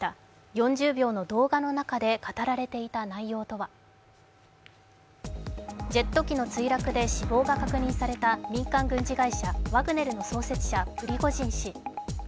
４０秒の動画の中で語られていた内容とはジェット機の墜落で死亡が確認された民間軍事会社ワグネルの創設者・プリゴジン氏。